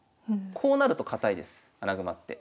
こうなると堅いです穴熊って。